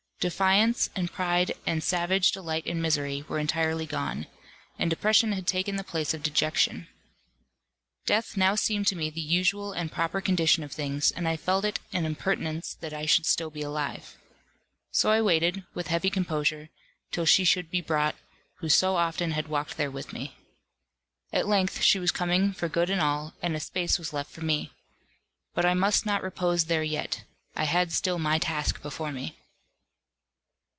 Defiance, and pride, and savage delight in misery, were entirely gone; and depression had taken the place of dejection. Death now seemed to me the usual and proper condition of things, and I felt it an impertinence that I should still be alive. So I waited, with heavy composure, till she should be brought, who so often had walked there with me. At length she was coming for good and all, and a space was left for me. But I must not repose there yet; I had still my task before me.